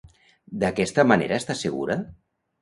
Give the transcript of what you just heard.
D'aquesta manera està segura?